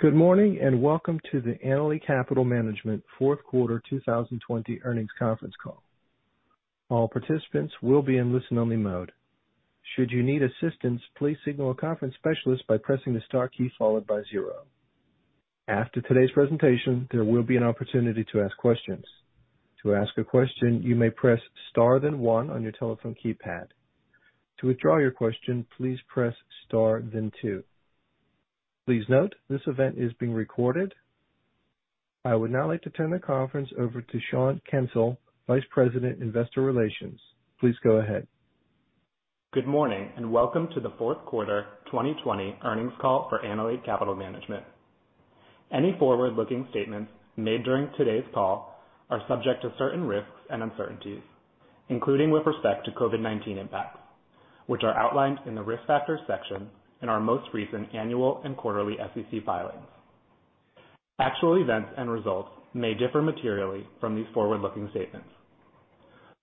Good morning and welcome to the Annaly Capital Management Fourth Quarter 2020 earnings conference call. All participants will be in listen-only mode. Should you need assistance, please signal a conference specialist by pressing the star key followed by zero. After today's presentation, there will be an opportunity to ask questions. To ask a question, you may press star then one on your telephone keypad. To withdraw your question, please press star then two. Please note this event is being recorded. I would now like to turn the conference over to Sean Kensil, Vice President, Investor Relations. Please go ahead. Good morning and welcome to the Fourth Quarter 2020 earnings call for Annaly Capital Management. Any forward-looking statements made during today's call are subject to certain risks and uncertainties, including with respect to COVID-19 impacts, which are outlined in the risk factors section in our most recent annual and quarterly SEC filings. Actual events and results may differ materially from these forward-looking statements.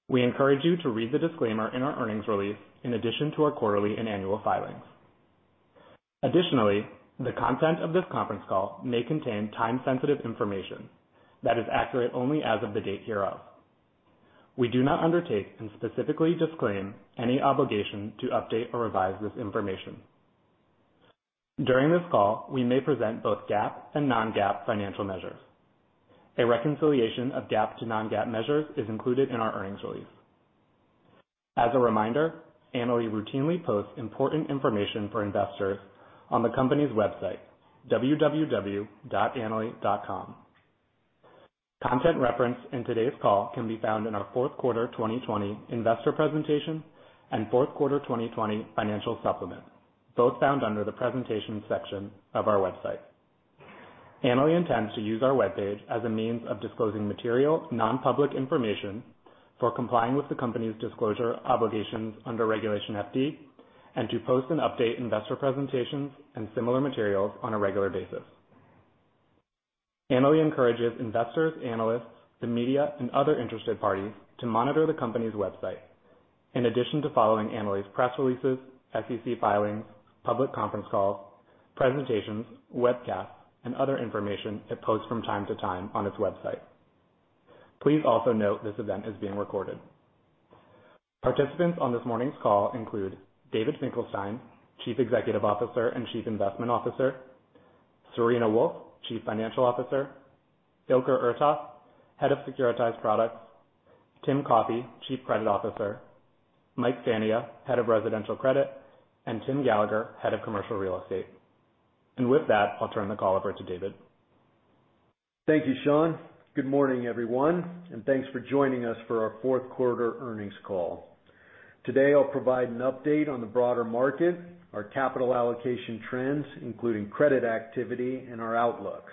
We encourage you to read the disclaimer in our earnings release in addition to our quarterly and annual filings. Additionally, the content of this conference call may contain time-sensitive information that is accurate only as of the date hereof. We do not undertake and specifically disclaim any obligation to update or revise this information. During this call, we may present both GAAP and non-GAAP financial measures. A reconciliation of GAAP to non-GAAP measures is included in our earnings release. As a reminder, Annaly routinely posts important information for investors on the company's website, www.annaly.com. Content referenced in today's call can be found in our Fourth Quarter 2020 investor presentation and Fourth Quarter 2020 financial supplement, both found under the presentation section of our website. Annaly intends to use our web page as a means of disclosing material, non-public information for complying with the company's disclosure obligations under Regulation FD and to post and update investor presentations and similar materials on a regular basis. Annaly encourages investors, analysts, the media, and other interested parties to monitor the company's website in addition to following Annaly's press releases, SEC filings, public conference calls, presentations, webcasts, and other information it posts from time to time on its website. Please also note this event is being recorded. Participants on this morning's call include David Finkelstein, Chief Executive Officer and Chief Investment Officer, Serena Wolfe, Chief Financial Officer, Ilker Ertas, Head of Securitized Products, Tim Coffey, Chief Credit Officer, Mike Fania, Head of Residential Credit, and Tim Gallagher, Head of Commercial Real Estate. And with that, I'll turn the call over to David. Thank you, Sean. Good morning, everyone, and thanks for joining us for our Fourth Quarter earnings call. Today, I'll provide an update on the broader market, our capital allocation trends, including credit activity, and our outlook.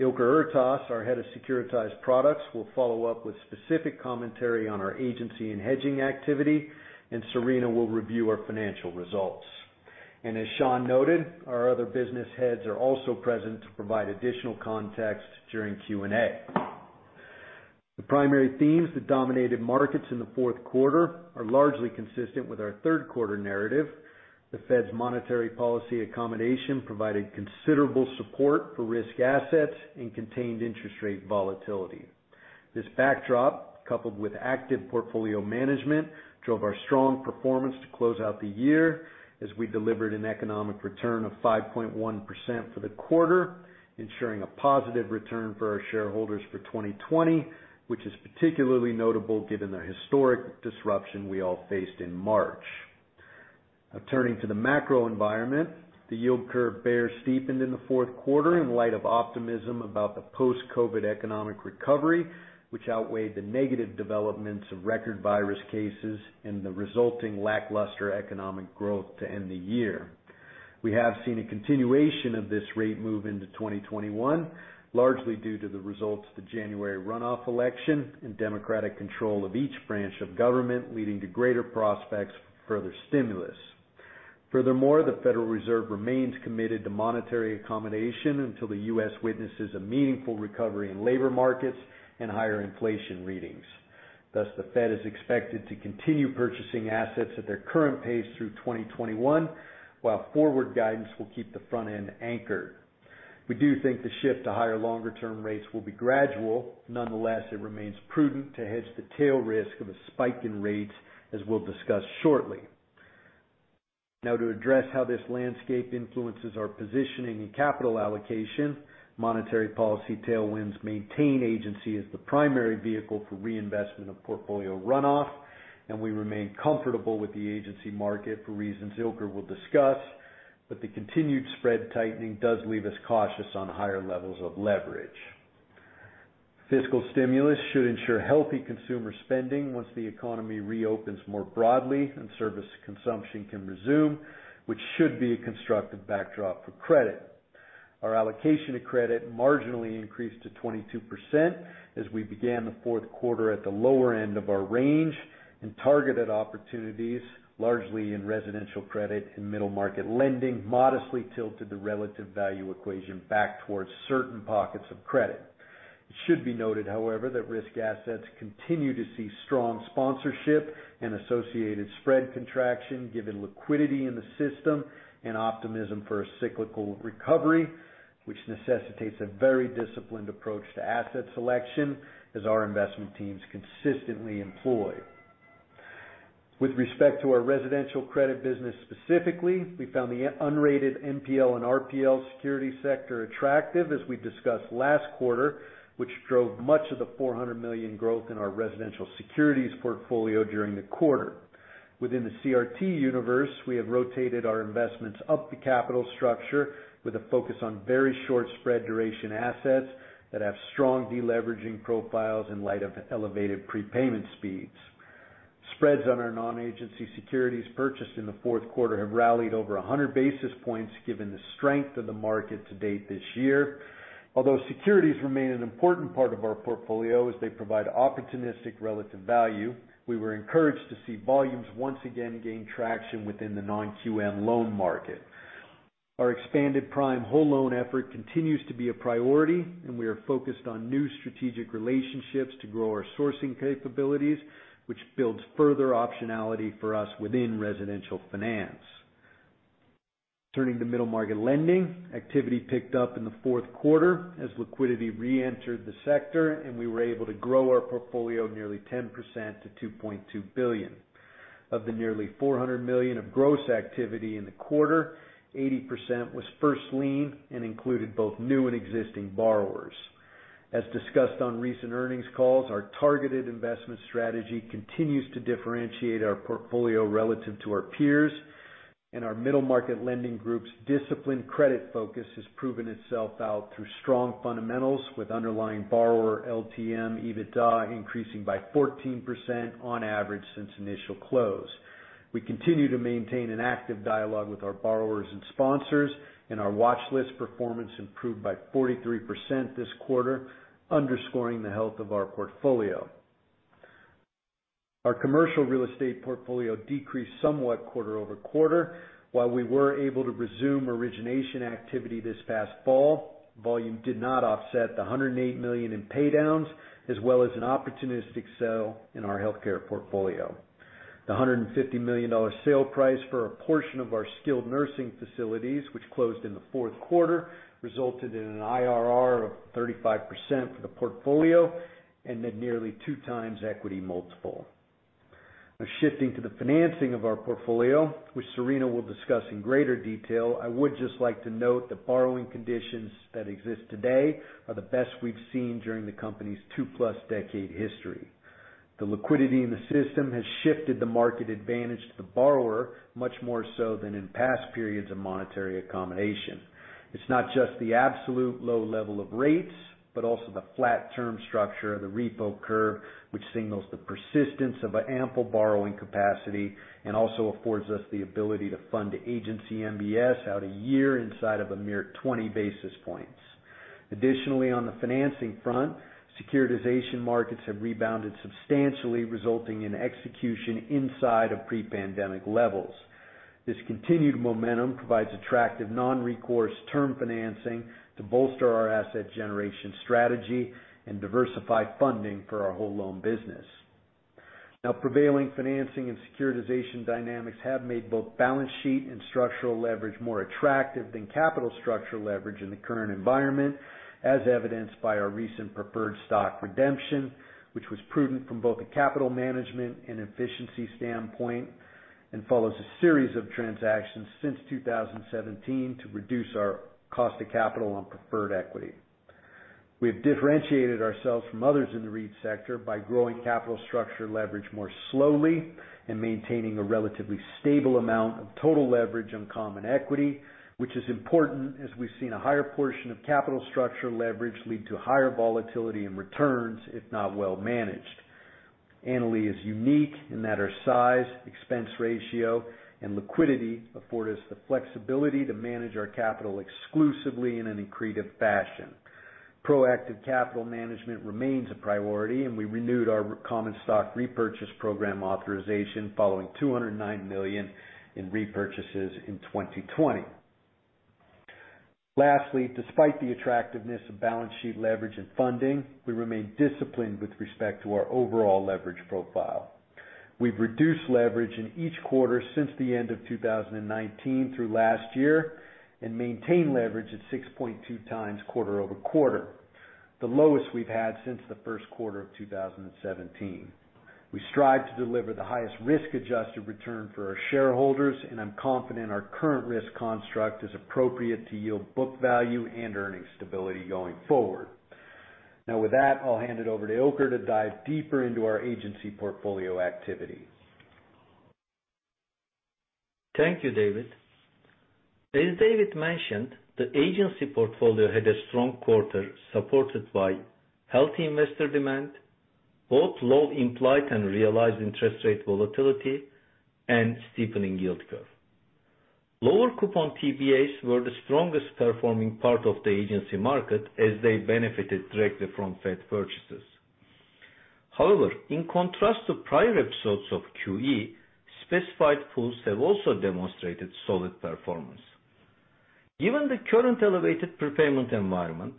Ilker Ertas, our Head of Securitized Products, will follow up with specific commentary on our agency and hedging activity, and Serena will review our financial results. And as Sean noted, our other business heads are also present to provide additional context during Q&A. The primary themes that dominated markets in the fourth quarter are largely consistent with our third quarter narrative. The Fed's monetary policy accommodation provided considerable support for risk assets and contained interest rate volatility. This backdrop, coupled with active portfolio management, drove our strong performance to close out the year as we delivered an economic return of 5.1% for the quarter, ensuring a positive return for our shareholders for 2020, which is particularly notable given the historic disruption we all faced in March. Turning to the macro environment, the yield curve bear steepened in the fourth quarter in light of optimism about the post-COVID economic recovery, which outweighed the negative developments of record virus cases and the resulting lackluster economic growth to end the year. We have seen a continuation of this rate move into 2021, largely due to the results of the January runoff election and Democratic control of each branch of government, leading to greater prospects for further stimulus. Furthermore, the Federal Reserve remains committed to monetary accommodation until the U.S. witnesses a meaningful recovery in labor markets and higher inflation readings. Thus, the Fed is expected to continue purchasing assets at their current pace through 2021, while forward guidance will keep the front end anchored. We do think the shift to higher longer-term rates will be gradual. Nonetheless, it remains prudent to hedge the tail risk of a spike in rates, as we'll discuss shortly. Now, to address how this landscape influences our positioning and capital allocation, monetary policy tailwinds maintain agency as the primary vehicle for reinvestment of portfolio runoff, and we remain comfortable with the agency market for reasons Ilker will discuss, but the continued spread tightening does leave us cautious on higher levels of leverage. Fiscal stimulus should ensure healthy consumer spending once the economy reopens more broadly and service consumption can resume, which should be a constructive backdrop for credit. Our allocation to credit marginally increased to 22% as we began the fourth quarter at the lower end of our range and targeted opportunities, largely in residential credit and middle market lending, modestly tilted the relative value equation back towards certain pockets of credit. It should be noted, however, that risk assets continue to see strong sponsorship and associated spread contraction given liquidity in the system and optimism for a cyclical recovery, which necessitates a very disciplined approach to asset selection, as our investment teams consistently employ. With respect to our residential credit business specifically, we found the unrated NPL and RPL security sector attractive, as we discussed last quarter, which drove much of the $400 million growth in our residential securities portfolio during the quarter. Within the CRT universe, we have rotated our investments up the capital structure with a focus on very short spread duration assets that have strong deleveraging profiles in light of elevated prepayment speeds. Spreads on our non-agency securities purchased in the fourth quarter have rallied over 100 basis points given the strength of the market to date this year. Although securities remain an important part of our portfolio as they provide opportunistic relative value, we were encouraged to see volumes once again gain traction within the non-QM loan market. Our expanded prime whole loan effort continues to be a priority, and we are focused on new strategic relationships to grow our sourcing capabilities, which builds further optionality for us within residential finance. Turning to middle market lending, activity picked up in the fourth quarter as liquidity re-entered the sector, and we were able to grow our portfolio nearly 10% to $2.2 billion. Of the nearly $400 million of gross activity in the quarter, 80% was first lien and included both new and existing borrowers. As discussed on recent earnings calls, our targeted investment strategy continues to differentiate our portfolio relative to our peers, and our middle market lending group's disciplined credit focus has proven itself out through strong fundamentals with underlying borrower LTM EBITDA increasing by 14% on average since initial close. We continue to maintain an active dialogue with our borrowers and sponsors, and our watchlist performance improved by 43% this quarter, underscoring the health of our portfolio. Our commercial real estate portfolio decreased somewhat quarter over quarter. While we were able to resume origination activity this past fall, volume did not offset the $108 million in paydowns as well as an opportunistic sale in our healthcare portfolio. The $150 million sale price for a portion of our skilled nursing facilities, which closed in the fourth quarter, resulted in an IRR of 35% for the portfolio and nearly two times equity multiple. Now, shifting to the financing of our portfolio, which Serena will discuss in greater detail, I would just like to note that borrowing conditions that exist today are the best we've seen during the company's two-plus decade history. The liquidity in the system has shifted the market advantage to the borrower much more so than in past periods of monetary accommodation. It's not just the absolute low level of rates, but also the flat term structure of the repo curve, which signals the persistence of an ample borrowing capacity and also affords us the ability to fund Agency MBS out a year inside of a mere 20 basis points. Additionally, on the financing front, securitization markets have rebounded substantially, resulting in execution inside of pre-pandemic levels. This continued momentum provides attractive non-recourse term financing to bolster our asset generation strategy and diversify funding for our whole loan business. Now, prevailing financing and securitization dynamics have made both balance sheet and structural leverage more attractive than capital structure leverage in the current environment, as evidenced by our recent preferred stock redemption, which was prudent from both a capital management and efficiency standpoint and follows a series of transactions since 2017 to reduce our cost of capital on preferred equity. We have differentiated ourselves from others in the REIT sector by growing capital structure leverage more slowly and maintaining a relatively stable amount of total leverage on common equity, which is important as we've seen a higher portion of capital structure leverage lead to higher volatility in returns, if not well managed. Annaly is unique in that our size, expense ratio, and liquidity afford us the flexibility to manage our capital exclusively in an accretive fashion. Proactive capital management remains a priority, and we renewed our common stock repurchase program authorization following $209 million in repurchases in 2020. Lastly, despite the attractiveness of balance sheet leverage and funding, we remain disciplined with respect to our overall leverage profile. We've reduced leverage in each quarter since the end of 2019 through last year and maintained leverage at 6.2 times quarter over quarter, the lowest we've had since the first quarter of 2017. We strive to deliver the highest risk-adjusted return for our shareholders, and I'm confident our current risk construct is appropriate to yield book value and earnings stability going forward. Now, with that, I'll hand it over to Ilker to dive deeper into our Agency portfolio activity. Thank you, David. As David mentioned, the Agency portfolio had a strong quarter supported by healthy investor demand, both low implied and realized interest rate volatility, and steepening yield curve. Lower coupon TBAs were the strongest performing part of the agency market as they benefited directly from Fed purchases. However, in contrast to prior episodes of QE, specified pools have also demonstrated solid performance. Given the current elevated prepayment environment,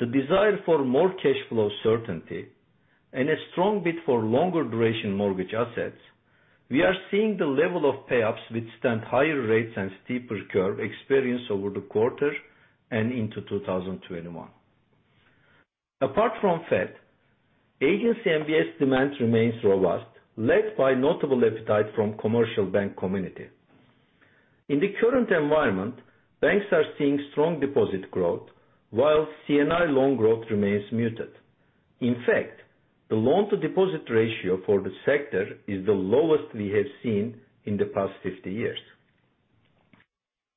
the desire for more cash flow certainty, and a strong bid for longer duration mortgage assets, we are seeing the level of pay-ups withstand higher rates and steeper curve experienced over the quarter and into 2021. Apart from Fed, Agency MBS demand remains robust, led by notable appetite from the commercial bank community. In the current environment, banks are seeing strong deposit growth, while C&I loan growth remains muted. In fact, the loan-to-deposit ratio for the sector is the lowest we have seen in the past 50 years.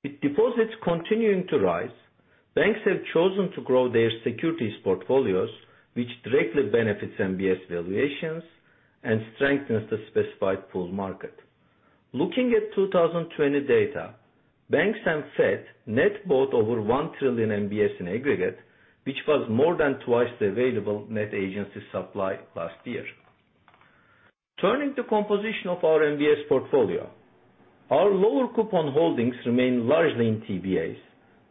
With deposits continuing to rise, banks have chosen to grow their securities portfolios, which directly benefits MBS valuations and strengthens the specified pool market. Looking at 2020 data, banks and Fed net bought over $1 trillion MBS in aggregate, which was more than twice the available net agency supply last year. Turning to composition of our MBS portfolio, our lower coupon holdings remain largely in TBAs,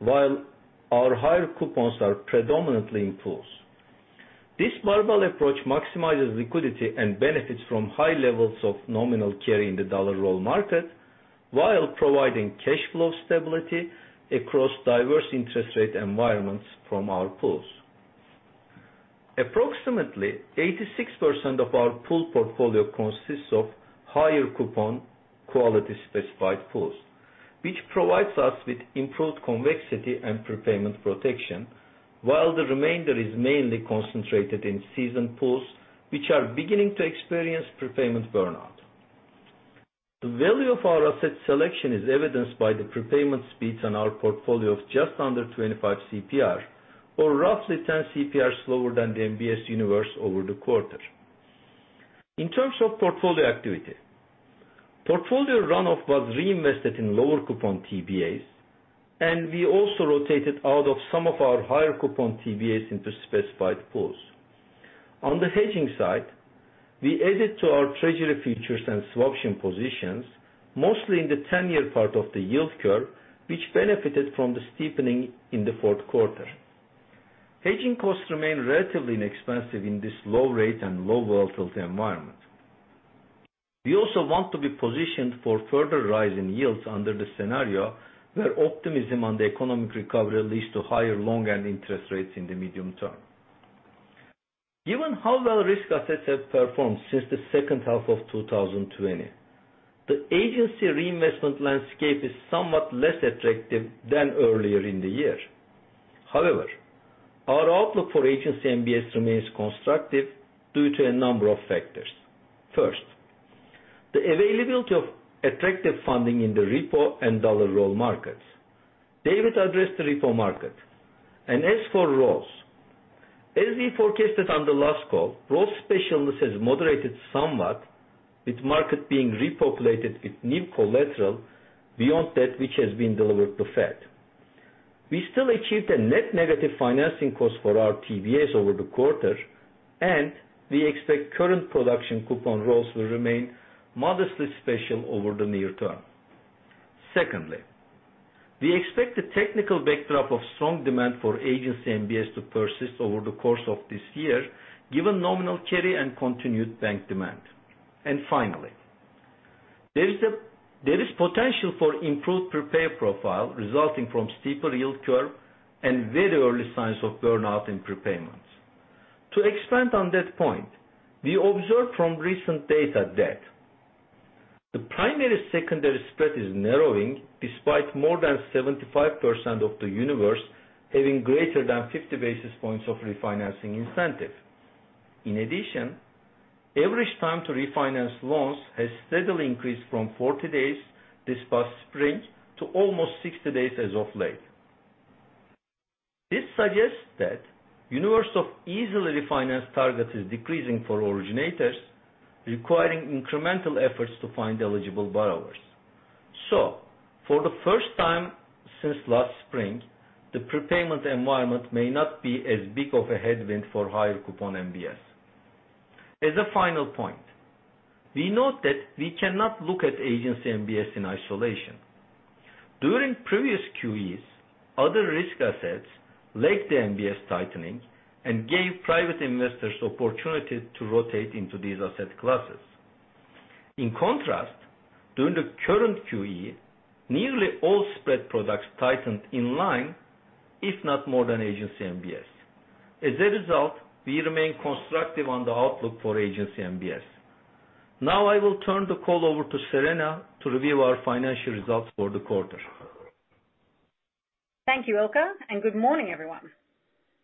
while our higher coupons are predominantly in pools. This variable approach maximizes liquidity and benefits from high levels of nominal carry in the dollar roll market, while providing cash flow stability across diverse interest rate environments from our pools. Approximately 86% of our pool portfolio consists of higher coupon quality specified pools, which provides us with improved convexity and prepayment protection, while the remainder is mainly concentrated in seasoned pools, which are beginning to experience prepayment burnout. The value of our asset selection is evidenced by the prepayment speeds on our portfolio of just under 25 CPR, or roughly 10 CPR slower than the MBS universe over the quarter. In terms of portfolio activity, portfolio runoff was reinvested in lower coupon TBAs, and we also rotated out of some of our higher coupon TBAs into specified pools. On the hedging side, we added to our Treasury futures and swaptions positions, mostly in the 10-year part of the yield curve, which benefited from the steepening in the fourth quarter. Hedging costs remain relatively inexpensive in this low rate and low volatility environment. We also want to be positioned for further rise in yields under the scenario where optimism on the economic recovery leads to higher long-end interest rates in the medium term. Given how well risk assets have performed since the second half of 2020, the agency reinvestment landscape is somewhat less attractive than earlier in the year. However, our outlook for Agency MBS remains constructive due to a number of factors. First, the availability of attractive funding in the repo and dollar roll markets. David addressed the repo market. And as for rolls, as we forecasted on the last call, rolls specialness has moderated somewhat, with market being repopulated with new collateral beyond that which has been delivered to the Fed. We still achieved a net negative financing cost for our TBAs over the quarter, and we expect current production coupon rolls will remain modestly special over the near term. Secondly, we expect the technical backdrop of strong demand for Agency MBS to persist over the course of this year, given nominal carry and continued bank demand. And finally, there is potential for improved prepayment profile resulting from steeper yield curve and very early signs of burnout in prepayments. To expand on that point, we observed from recent data that the primary-secondary spread is narrowing despite more than 75% of the universe having greater than 50 basis points of refinancing incentive. In addition, average time to refinance loans has steadily increased from 40 days this past spring to almost 60 days as of late. This suggests that the universe of easily refinanceable targets is decreasing for originators, requiring incremental efforts to find eligible borrowers. So, for the first time since last spring, the prepayment environment may not be as big of a headwind for higher coupon MBS. As a final point, we note that we cannot look at Agency MBS in isolation. During previous QEs, other risk assets lacked the MBS tightening and gave private investors opportunity to rotate into these asset classes. In contrast, during the current QE, nearly all spread products tightened in line, if not more than Agency MBS. As a result, we remain constructive on the outlook for Agency MBS. Now, I will turn the call over to Serena to review our financial results for the quarter. Thank you, Ilker, and good morning, everyone.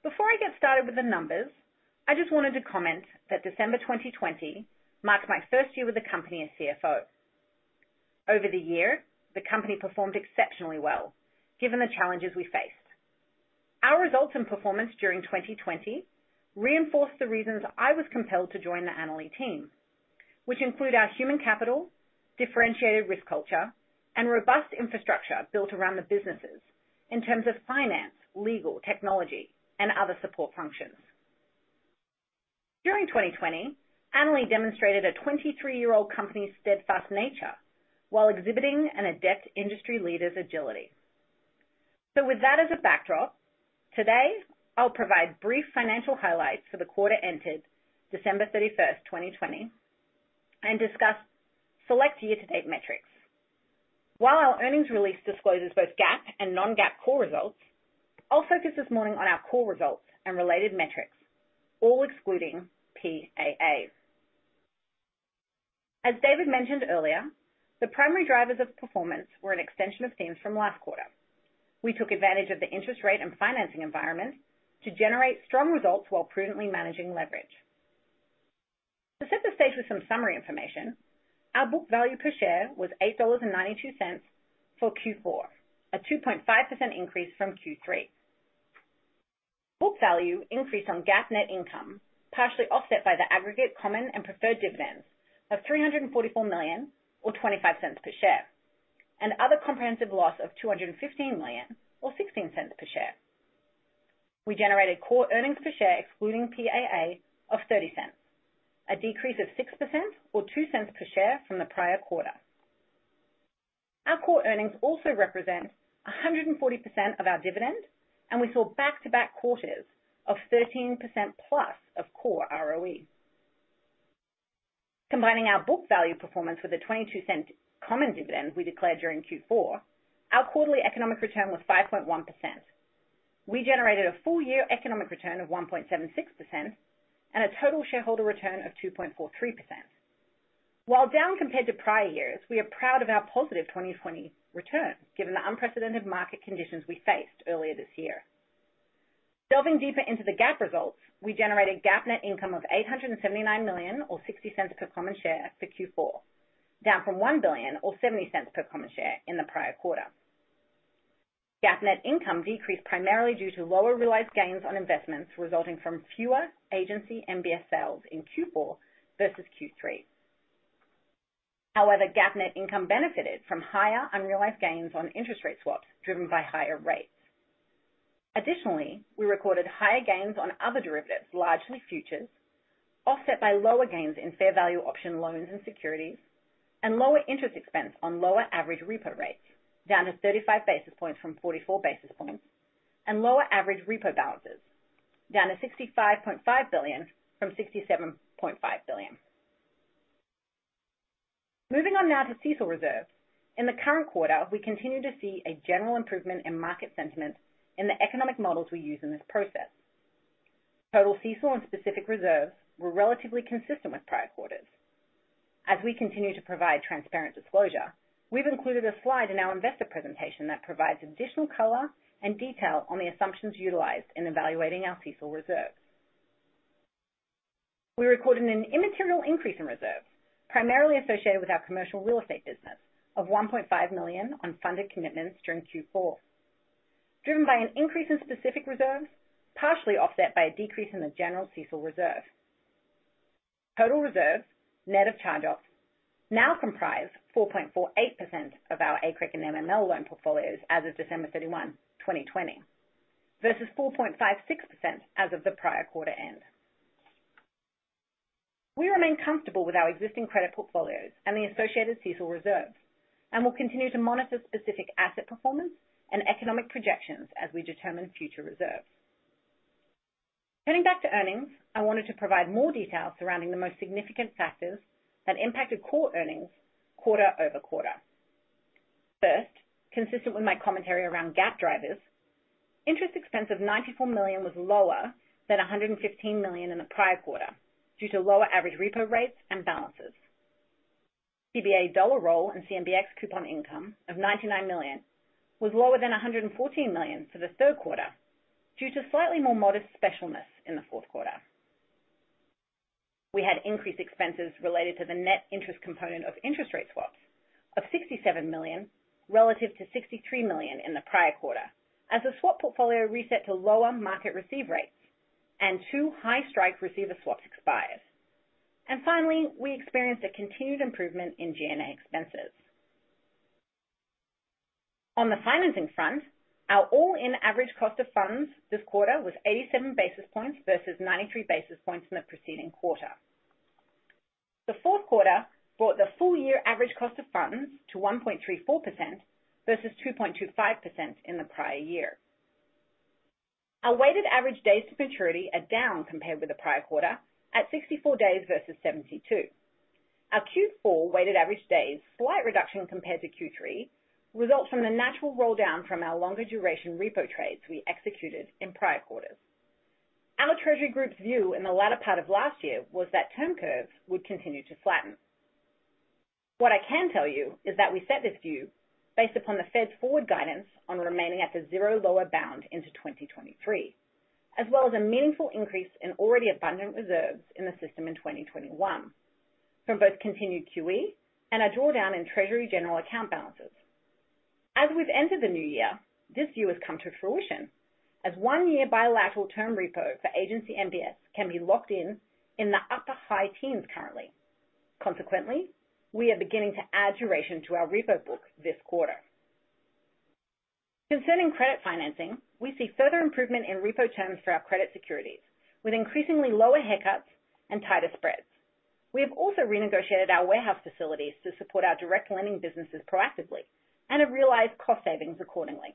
Before I get started with the numbers, I just wanted to comment that December 2020 marked my first year with the company as CFO. Over the year, the company performed exceptionally well given the challenges we faced. Our results and performance during 2020 reinforced the reasons I was compelled to join the Annaly team, which include our human capital, differentiated risk culture, and robust infrastructure built around the businesses in terms of finance, legal, technology, and other support functions. During 2020, Annaly demonstrated a 23-year-old company's steadfast nature while exhibiting an adept industry leader's agility. With that as a backdrop, today, I'll provide brief financial highlights for the quarter ended December 31st, 2020, and discuss select year-to-date metrics. While our earnings release discloses both GAAP and non-GAAP core results, I'll focus this morning on our core results and related metrics, all excluding PAAs. As David mentioned earlier, the primary drivers of performance were an extension of themes from last quarter. We took advantage of the interest rate and financing environment to generate strong results while prudently managing leverage. To set the stage with some summary information, our book value per share was $8.92 for Q4, a 2.5% increase from Q3. Book value increased on GAAP net income, partially offset by the aggregate common and preferred dividends of $344 million, or 25 cents per share, and other comprehensive loss of $215 million, or 16 cents per share. We generated core earnings per share, excluding PAA, of 30 cents, a decrease of 6%, or 2 cents per share from the prior quarter. Our core earnings also represent 140% of our dividend, and we saw back-to-back quarters of 13% plus of core ROE. Combining our book value performance with the $0.22 common dividend we declared during Q4, our quarterly economic return was 5.1%. We generated a full-year economic return of 1.76% and a total shareholder return of 2.43%. While down compared to prior years, we are proud of our positive 2020 return given the unprecedented market conditions we faced earlier this year. Delving deeper into the GAAP results, we generated GAAP net income of $879 million, or $0.60 per common share for Q4, down from $1 billion, or $0.70 per common share in the prior quarter. GAAP net income decreased primarily due to lower realized gains on investments resulting from fewer Agency MBS sales in Q4 versus Q3. However, GAAP net income benefited from higher unrealized gains on interest rate swaps driven by higher rates. Additionally, we recorded higher gains on other derivatives, largely futures, offset by lower gains in fair value option loans and securities, and lower interest expense on lower average repo rates, down to 35 basis points from 44 basis points, and lower average repo balances, down to $65.5 billion from $67.5 billion. Moving on now to CECL reserves. In the current quarter, we continue to see a general improvement in market sentiment in the economic models we use in this process. Total CECL and specific reserves were relatively consistent with prior quarters. As we continue to provide transparent disclosure, we've included a slide in our investor presentation that provides additional color and detail on the assumptions utilized in evaluating our CECL reserves. We recorded an immaterial increase in reserves, primarily associated with our commercial real estate business, of $1.5 million on funded commitments during Q4, driven by an increase in specific reserves, partially offset by a decrease in the general CECL reserve. Total reserves, net of charge-offs, now comprise 4.48% of our ACREG and MML loan portfolios as of December 31, 2020, versus 4.56% as of the prior quarter end. We remain comfortable with our existing credit portfolios and the associated CECL reserves, and we'll continue to monitor specific asset performance and economic projections as we determine future reserves. Turning back to earnings, I wanted to provide more detail surrounding the most significant factors that impacted core earnings quarter over quarter. First, consistent with my commentary around GAAP drivers, interest expense of $94 million was lower than $115 million in the prior quarter due to lower average repo rates and balances. TBA dollar roll and CMBX coupon income of $99 million was lower than $114 million for the third quarter due to slightly more modest specialness in the fourth quarter. We had increased expenses related to the net interest component of interest rate swaps of $67 million, relative to $63 million in the prior quarter, as the swap portfolio reset to lower market receive rates and two high-strike receiver swaps expired, and finally, we experienced a continued improvement in G&A expenses. On the financing front, our all-in average cost of funds this quarter was 87 basis points versus 93 basis points in the preceding quarter. The fourth quarter brought the full-year average cost of funds to 1.34% versus 2.25% in the prior year. Our weighted average days to maturity are down compared with the prior quarter at 64 days versus 72. Our Q4 weighted average days, slight reduction compared to Q3, result from the natural roll down from our longer duration repo trades we executed in prior quarters. Our treasury group's view in the latter part of last year was that term curves would continue to flatten. What I can tell you is that we set this view based upon the Fed's forward guidance on remaining at the zero lower bound into 2023, as well as a meaningful increase in already abundant reserves in the system in 2021, from both continued QE and a drawdown in Treasury General Account balances. As we've entered the new year, this view has come to fruition, as one year bilateral term repo for Agency MBS can be locked in the upper high teens currently. Consequently, we are beginning to add duration to our repo book this quarter. Concerning credit financing, we see further improvement in repo terms for our credit securities, with increasingly lower haircuts and tighter spreads. We have also renegotiated our warehouse facilities to support our direct lending businesses proactively and have realized cost savings accordingly.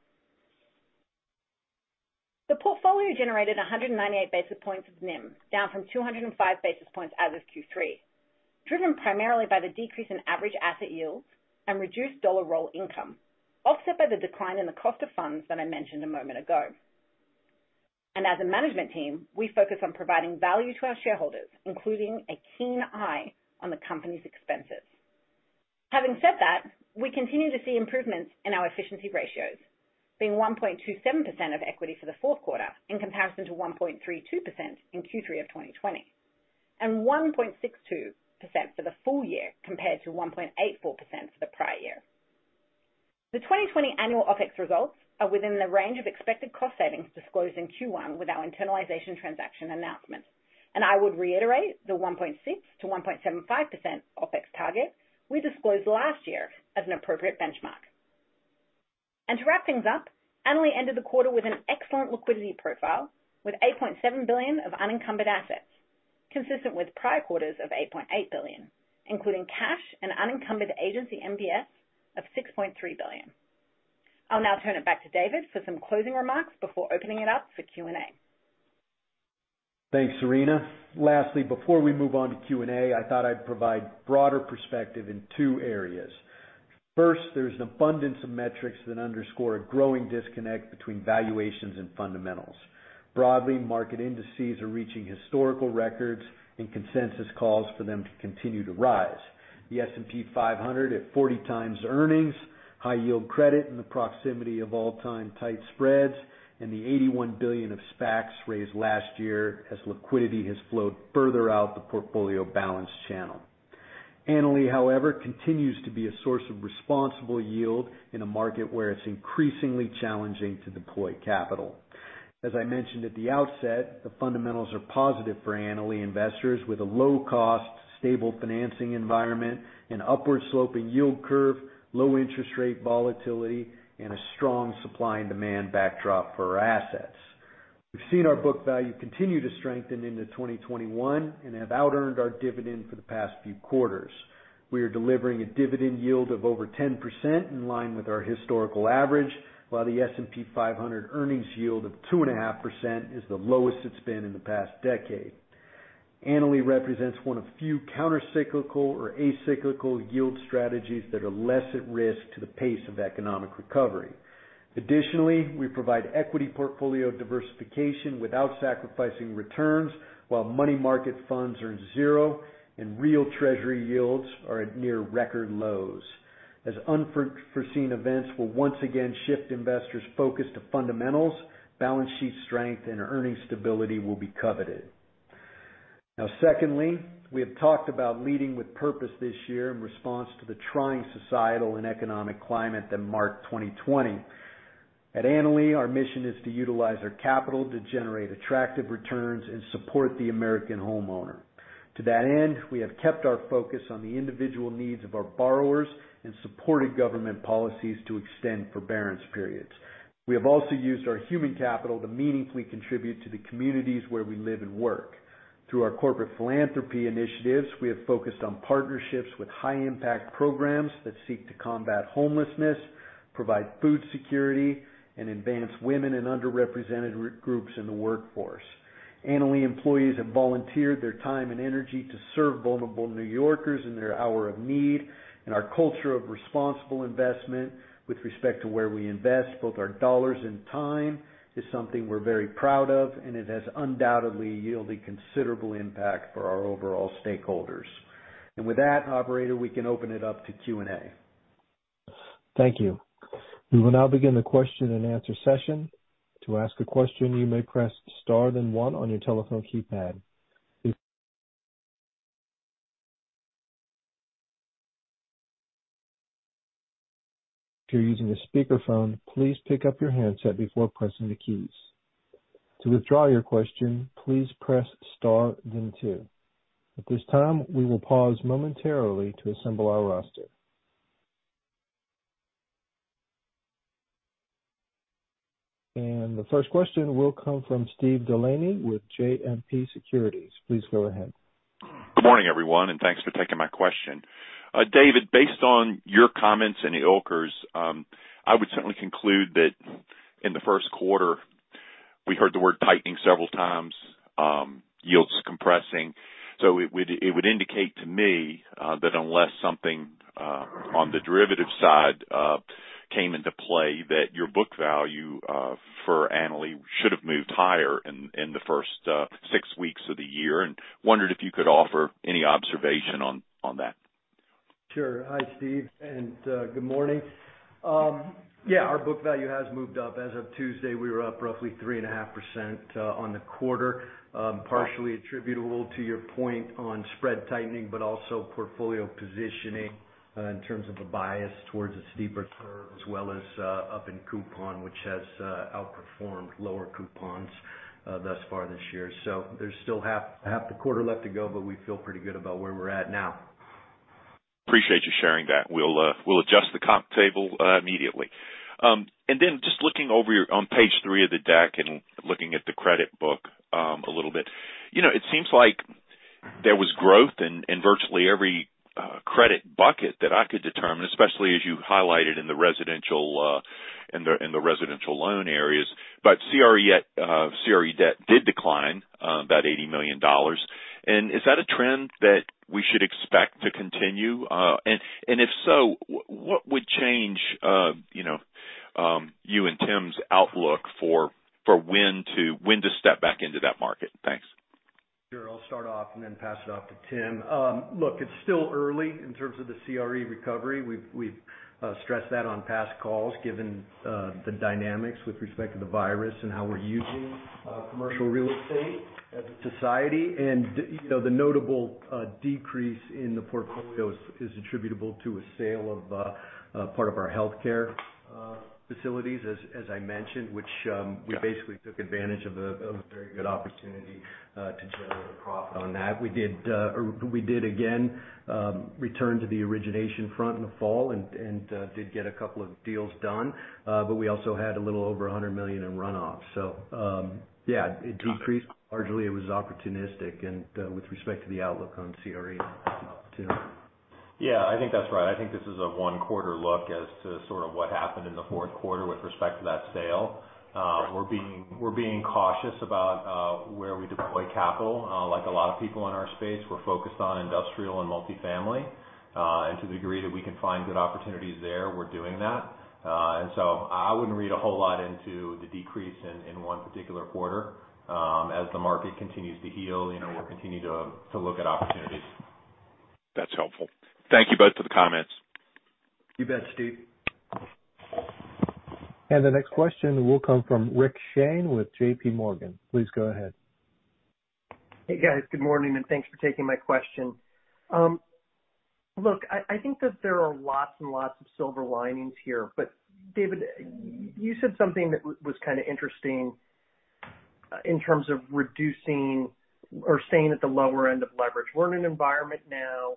The portfolio generated 198 basis points of NIM, down from 205 basis points as of Q3, driven primarily by the decrease in average asset yields and reduced dollar roll income, offset by the decline in the cost of funds that I mentioned a moment ago, and as a management team, we focus on providing value to our shareholders, including a keen eye on the company's expenses. Having said that, we continue to see improvements in our efficiency ratios, being 1.27% of equity for the fourth quarter in comparison to 1.32% in Q3 of 2020, and 1.62% for the full year compared to 1.84% for the prior year. The 2020 annual OpEx results are within the range of expected cost savings disclosed in Q1 with our internalization transaction announcement, and I would reiterate the 1.6%-1.75% OpEx target we disclosed last year as an appropriate benchmark, and to wrap things up, Annaly ended the quarter with an excellent liquidity profile with $8.7 billion of unencumbered assets, consistent with prior quarters of $8.8 billion, including cash and unencumbered Agency MBS of $6.3 billion. I'll now turn it back to David for some closing remarks before opening it up for Q&A. Thanks, Serena. Lastly, before we move on to Q&A, I thought I'd provide broader perspective in two areas. First, there's an abundance of metrics that underscore a growing disconnect between valuations and fundamentals. Broadly, market indices are reaching historical records, and consensus calls for them to continue to rise. The S&P 500 at 40 times earnings, high yield credit in the proximity of all-time tight spreads, and the $81 billion of SPACs raised last year as liquidity has flowed further out the portfolio balance channel. Annaly, however, continues to be a source of responsible yield in a market where it's increasingly challenging to deploy capital. As I mentioned at the outset, the fundamentals are positive for Annaly investors with a low-cost, stable financing environment and upward-sloping yield curve, low interest rate volatility, and a strong supply and demand backdrop for our assets. We've seen our book value continue to strengthen into 2021 and have out-earned our dividend for the past few quarters. We are delivering a dividend yield of over 10% in line with our historical average, while the S&P 500 earnings yield of 2.5% is the lowest it's been in the past decade. Annaly represents one of few countercyclical or acyclical yield strategies that are less at risk to the pace of economic recovery. Additionally, we provide equity portfolio diversification without sacrificing returns, while money market funds are at zero and real Treasury yields are at near record lows. As unforeseen events will once again shift investors' focus to fundamentals, balance sheet strength, and earnings stability will be coveted. Now, secondly, we have talked about leading with purpose this year in response to the trying societal and economic climate that marked 2020. At Annaly, our mission is to utilize our capital to generate attractive returns and support the American homeowner. To that end, we have kept our focus on the individual needs of our borrowers and supported government policies to extend forbearance periods. We have also used our human capital to meaningfully contribute to the communities where we live and work. Through our corporate philanthropy initiatives, we have focused on partnerships with high-impact programs that seek to combat homelessness, provide food security, and advance women and underrepresented groups in the workforce. Annaly employees have volunteered their time and energy to serve vulnerable New Yorkers in their hour of need. In our culture of responsible investment, with respect to where we invest, both our dollars and time is something we're very proud of, and it has undoubtedly yielded considerable impact for our overall stakeholders. With that, Operator, we can open it up to Q&A. Thank you. We will now begin the question and answer session. To ask a question, you may press star then one on your telephone keypad. If you're using a speakerphone, please pick up your handset before pressing the keys. To withdraw your question, please press star then two. At this time, we will pause momentarily to assemble our roster, and the first question will come from Steve Delaney with JMP Securities. Please go ahead. Good morning, everyone, and thanks for taking my question. David, based on your comments and the quarter's, I would certainly conclude that in the first quarter, we heard the word tightening several times, yields compressing, so it would indicate to me that unless something on the derivative side came into play, that your book value for Annaly should have moved higher in the first six weeks of the year, and wondered if you could offer any observation on that. Sure. Hi, Steve, and good morning. Yeah, our book value has moved up. As of Tuesday, we were up roughly 3.5% on the quarter, partially attributable to your point on spread tightening, but also portfolio positioning in terms of a bias towards a steeper curve as well as up in coupon, which has outperformed lower coupons thus far this year. So there's still half the quarter left to go, but we feel pretty good about where we're at now. Appreciate you sharing that. We'll adjust the comp table immediately. And then just looking over on page three of the deck and looking at the credit book a little bit, it seems like there was growth in virtually every credit bucket that I could determine, especially as you highlighted in the residential and the residential loan areas. But CRE debt did decline, about $80 million. And is that a trend that we should expect to continue? And if so, what would change you and Tim's outlook for when to step back into that market? Thanks. Sure. I'll start off and then pass it off to Tim. Look, it's still early in terms of the CRE recovery. We've stressed that on past calls, given the dynamics with respect to the virus and how we're using commercial real estate as a society. And the notable decrease in the portfolio is attributable to a sale of part of our healthcare facilities, as I mentioned, which we basically took advantage of a very good opportunity to generate profit on that. We did, again, return to the origination front in the fall and did get a couple of deals done, but we also had a little over $100 million in runoff. So yeah, it decreased largely. It was opportunistic with respect to the outlook on CRE. Yeah, I think that's right. I think this is a one-quarter look as to sort of what happened in the fourth quarter with respect to that sale. We're being cautious about where we deploy capital. Like a lot of people in our space, we're focused on industrial and multifamily. And to the degree that we can find good opportunities there, we're doing that. And so I wouldn't read a whole lot into the decrease in one particular quarter. As the market continues to heal, we'll continue to look at opportunities. That's helpful. Thank you both for the comments. You bet, Steve. And the next question will come from Rick Shane with JPMorgan. Please go ahead. Hey, guys. Good morning, and thanks for taking my question. Look, I think that there are lots and lots of silver linings here. But David, you said something that was kind of interesting in terms of reducing or staying at the lower end of leverage. We're in an environment now where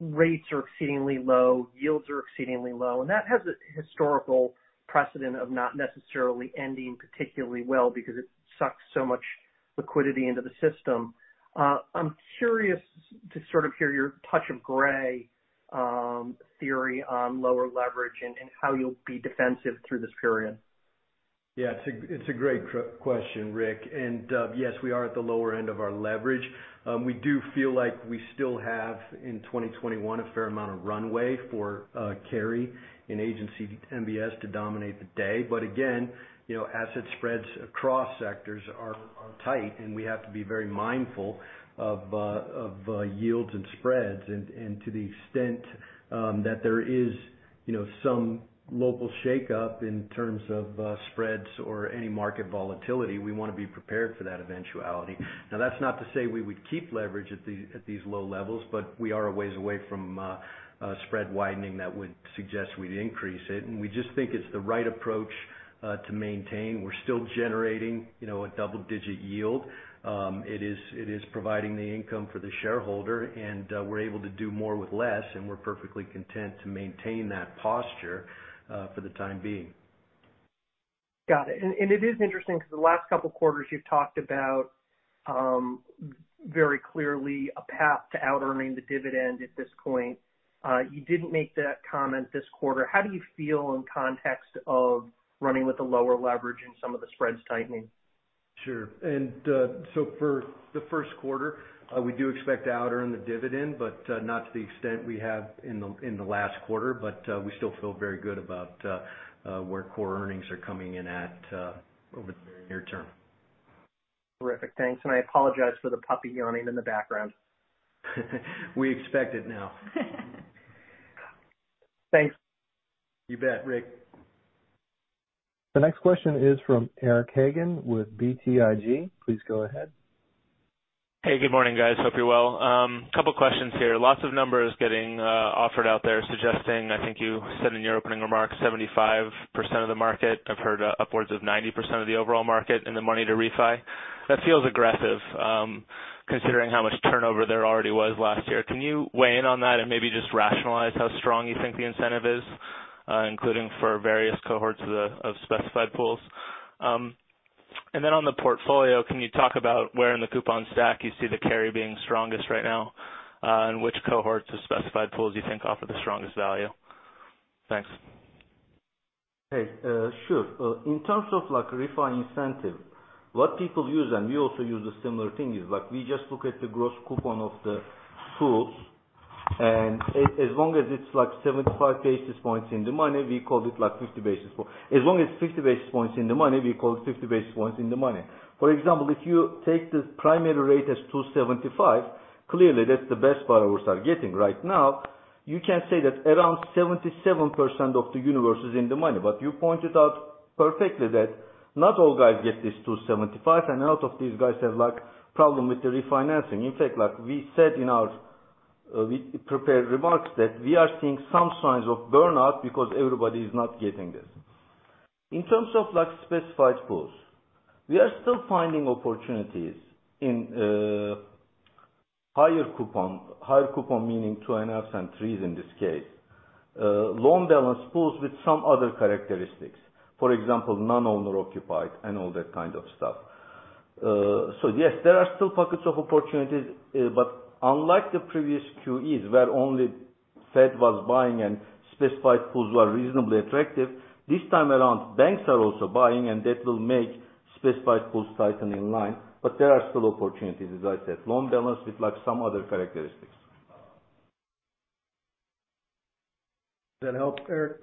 rates are exceedingly low, yields are exceedingly low, and that has a historical precedent of not necessarily ending particularly well because it sucks so much liquidity into the system. I'm curious to sort of hear your touch of gray theory on lower leverage and how you'll be defensive through this period. Yeah, it's a great question, Rick. And yes, we are at the lower end of our leverage. We do feel like we still have, in 2021, a fair amount of runway for carry in Agency MBS to dominate the day. But again, asset spreads across sectors are tight, and we have to be very mindful of yields and spreads. And to the extent that there is some local shakeup in terms of spreads or any market volatility, we want to be prepared for that eventuality. Now, that's not to say we would keep leverage at these low levels, but we are a ways away from spread widening that would suggest we'd increase it. And we just think it's the right approach to maintain. We're still generating a double-digit yield. It is providing the income for the shareholder, and we're able to do more with less, and we're perfectly content to maintain that posture for the time being. Got it. And it is interesting because the last couple of quarters you've talked about very clearly a path to out-earning the dividend at this point. You didn't make that comment this quarter. How do you feel in context of running with the lower leverage and some of the spreads tightening? Sure. And so for the first quarter, we do expect to out-earn the dividend, but not to the extent we have in the last quarter. But we still feel very good about where core earnings are coming in at over the very near term. Terrific. Thanks, and I apologize for the puppy yawning in the background. We expect it now. Thanks. You bet, Rick. The next question is from Eric Hagen with BTIG. Please go ahead. Hey, good morning, guys. Hope you're well. A couple of questions here. Lots of numbers getting offered out there suggesting, I think you said in your opening remarks, 75% of the market. I've heard upwards of 90% of the overall market in the money to refi. That feels aggressive considering how much turnover there already was last year. Can you weigh in on that and maybe just rationalize how strong you think the incentive is, including for various cohorts of specified pools? And then on the portfolio, can you talk about where in the coupon stack you see the carry being strongest right now and which cohorts of specified pools you think offer the strongest value? Thanks. Hey, sure. In terms of refinance incentive, what people use and we also use a similar thing is we just look at the gross coupon of the pools, and as long as it's 75 basis points in the money, we call it 50 basis points. As long as it's 50 basis points in the money, we call it 50 basis points in the money. For example, if you take the primary rate as 275, clearly that's the best borrowers are getting. Right now, you can say that around 77% of the universe is in the money, but you pointed out perfectly that not all guys get this 275, and a lot of these guys have problems with the refinancing. In fact, we said in our prepared remarks that we are seeing some signs of burnout because everybody is not getting this. In terms of specified pools, we are still finding opportunities in higher coupon, higher coupon meaning 2.5 and 3 in this case, loan balance pools with some other characteristics, for example, non-owner-occupied and all that kind of stuff. So yes, there are still pockets of opportunities, but unlike the previous QEs where only the Fed was buying and specified pools were reasonably attractive, this time around banks are also buying, and that will make specified pools tighten in line. But there are still opportunities, as I said, loan balance with some other characteristics. Does that help, Eric?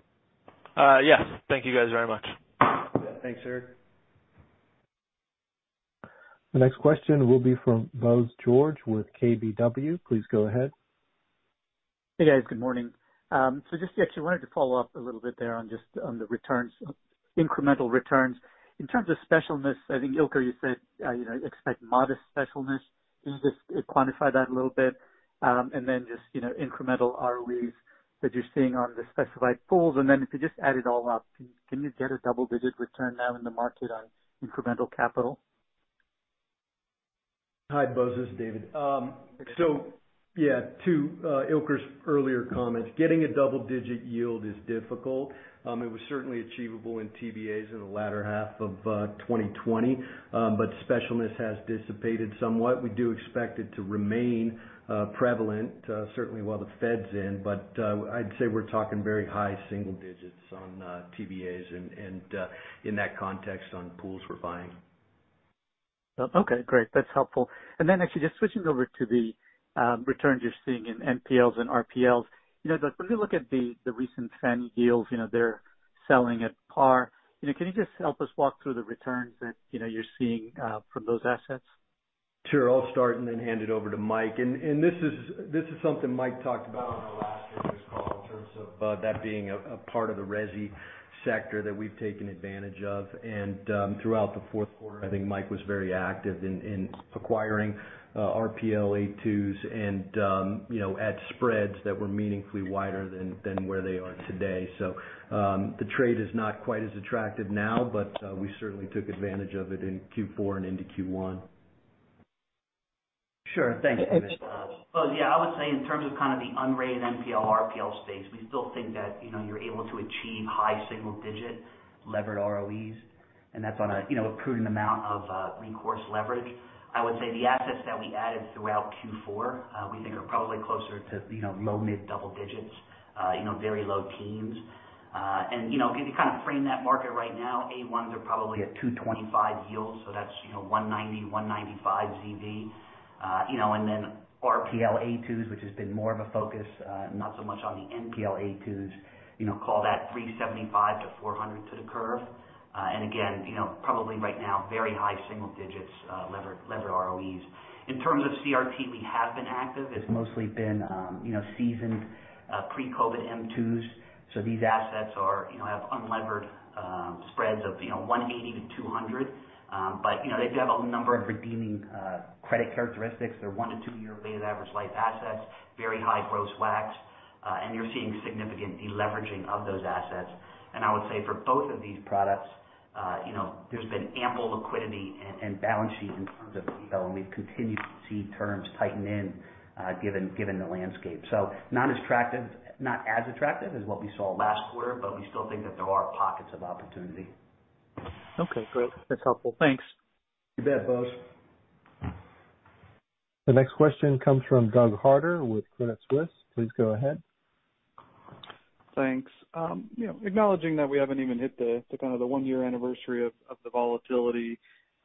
Yes. Thank you guys very much. Yeah. Thanks, Eric. The next question will be from Bose George with KBW. Please go ahead. Hey, guys. Good morning. So just actually wanted to follow up a little bit there on just the returns, incremental returns. In terms of specialness, I think Ilker, you said expect modest specialness. Can you just quantify that a little bit? And then just incremental ROEs that you're seeing on the specified pools. And then if you just add it all up, can you get a double-digit return now in the market on incremental capital? Hi, Bose, this is David. Yeah, to Ilker's earlier comments, getting a double-digit yield is difficult. It was certainly achievable in TBAs in the latter half of 2020, but specialness has dissipated somewhat. We do expect it to remain prevalent, certainly while the Fed's in, but I'd say we're talking very high single digits on TBAs and in that context on pools we're buying. Okay. Great. That's helpful. And then actually just switching over to the returns you're seeing in NPLs and RPLs. When you look at the recent Fannie deals, they're selling at par. Can you just help us walk through the returns that you're seeing from those assets? Sure. I'll start and then hand it over to Mike, and this is something Mike talked about on our last business call in terms of that being a part of the Resi sector that we've taken advantage of, and throughout the fourth quarter, I think Mike was very active in acquiring RPL A2s and at spreads that were meaningfully wider than where they are today, so the trade is not quite as attractive now, but we certainly took advantage of it in Q4 and into Q1. Sure. Thanks, Bose. Well, yeah, I would say in terms of kind of the unrated NPL/RPL space, we still think that you're able to achieve high single-digit levered ROEs, and that's on a prudent amount of recourse leverage. I would say the assets that we added throughout Q4, we think are probably closer to low, mid double digits, very low teens. And if you kind of frame that market right now, A1s are probably at 225 yields. So that's 190, 195 ZV. And then RPL A2s, which has been more of a focus, not so much on the NPL A2s, call that 375 to 400 to the curve. And again, probably right now, very high single digits levered ROEs. In terms of CRT, we have been active. It's mostly been seasoned pre-COVID M2s. So these assets have unlevered spreads of 180 to 200. But they do have a number of redeeming credit characteristics. They're one- to two-year weighted average life assets, very high gross WAC. And you're seeing significant deleveraging of those assets. And I would say for both of these products, there's been ample liquidity and balance sheet in terms of EBITDA, and we've continued to see terms tighten, given the landscape. So not as attractive as what we saw last quarter, but we still think that there are pockets of opportunity. Okay. Great. That's helpful. Thanks. You bet, Bose. The next question comes from Doug Harter with Credit Suisse. Please go ahead. Thanks. Acknowledging that we haven't even hit the kind of the one-year anniversary of the volatility.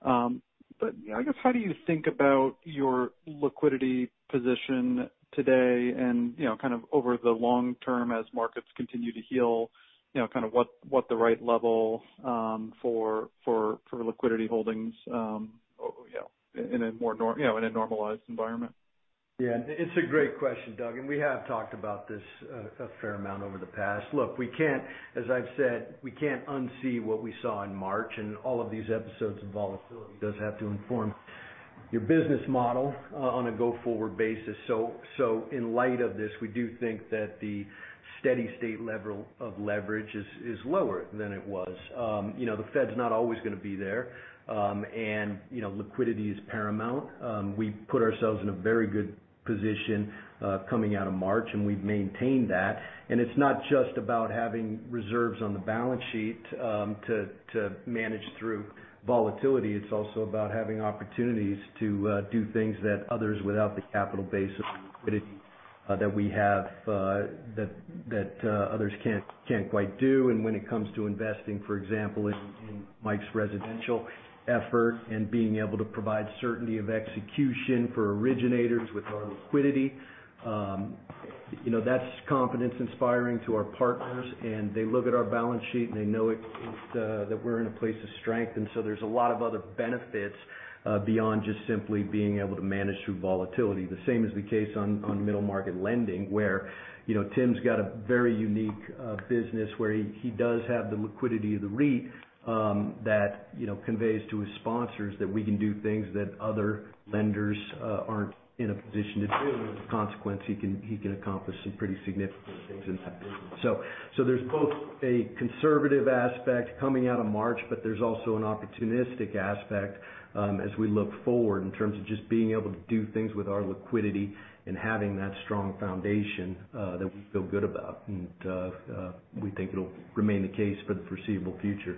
But I guess, how do you think about your liquidity position today and kind of over the long term as markets continue to heal? Kind of what the right level for liquidity holdings in a normalized environment? Yeah. It's a great question, Doug. And we have talked about this a fair amount over the past. Look, as I've said, we can't unsee what we saw in March. And all of these episodes of volatility does have to inform your business model on a go-forward basis. So in light of this, we do think that the steady state level of leverage is lower than it was. The Fed's not always going to be there, and liquidity is paramount. We put ourselves in a very good position coming out of March, and we've maintained that. And it's not just about having reserves on the balance sheet to manage through volatility. It's also about having opportunities to do things that others without the capital base of liquidity that we have that others can't quite do. When it comes to investing, for example, in Mike's residential effort and being able to provide certainty of execution for originators with our liquidity, that's confidence inspiring to our partners. They look at our balance sheet, and they know that we're in a place of strength. There's a lot of other benefits beyond just simply being able to manage through volatility. The same is the case on middle market lending where Tim's got a very unique business where he does have the liquidity of the REIT that conveys to his sponsors that we can do things that other lenders aren't in a position to do. As a consequence, he can accomplish some pretty significant things in that business. There's both a conservative aspect coming out of March, but there's also an opportunistic aspect as we look forward in terms of just being able to do things with our liquidity and having that strong foundation that we feel good about. We think it'll remain the case for the foreseeable future.